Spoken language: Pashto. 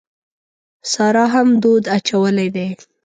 سارا هم دود اچولی دی.